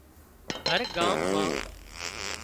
هر ڳام مان